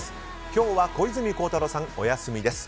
今日は小泉孝太郎さんがお休みです。